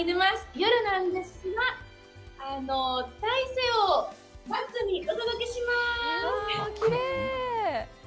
夜なんですが、大西洋をバックにお届けします。